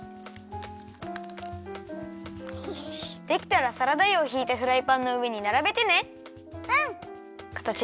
できたらサラダ油をひいたフライパンのうえにならべてね。